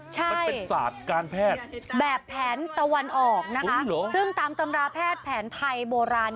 ใช่แบบแผนตะวันออกนะคะซึ่งตามตำราแพทย์แผนไทยโบราณ